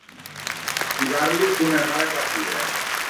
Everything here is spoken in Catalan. Jugar-li una mala partida.